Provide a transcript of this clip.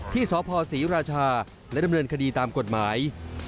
ที่สพศรีราชาและดำเนินคดีตามกฎหมาย